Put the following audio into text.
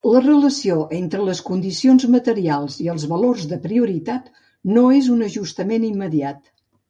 La relació entre les condicions materials i els valors de prioritat no és un ajustament immediat.